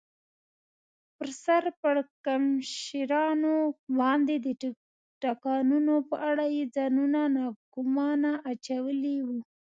پر سر پړکمشرانو باندې د ټکانونو په اړه یې ځانونه ناګومانه اچولي و.